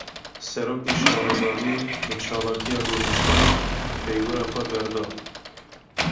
Serokê şaredariyê, bi çalakiya rûniştinê peywira xwe berda